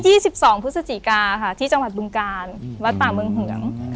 วันที่๒๒พุศจิกาค่ะที่จังหวัดบุญการวัดป่ามึงเหิงค่ะ